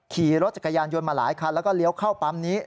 ขี่รถจักรยานยนต์มาหลายคันแล้วก็เลี้ยวเข้าปั๊มนี้